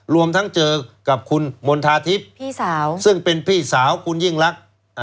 รวมทั้งเจอกับคุณมณฑาทิพย์พี่สาวซึ่งเป็นพี่สาวคุณยิ่งรัก